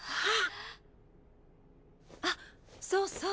あっそうそう。